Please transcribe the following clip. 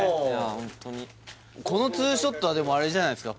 ホントにこの２ショットはでもあれじゃないですか？